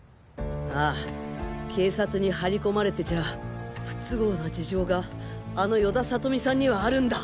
ああ警察に張り込まれてちゃ不都合な事情があの与田理美さんにはあるんだ！